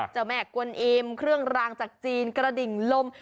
เจ้าแม่กวนอิมเครื่องรางจากจีนกระดิ่งลม